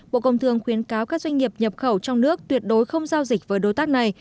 bộ công thương khuyến cáo các doanh nghiệp nhập khẩu trong nước tuyệt đối không giao dịch với đối tác này